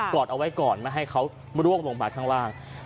อดเอาไว้ก่อนไม่ให้เขาร่วงลงมาข้างล่าง